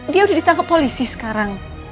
dia udah ditangkep polisi sekarang